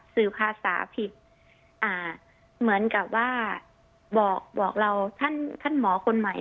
สื่อภาษาผิดเหมือนกับว่าบอกเราท่านหมอคนใหม่